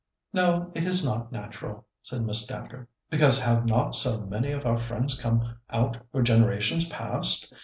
"No, it is not natural," said Miss Dacre; "because have not so many of our friends come out for generations past?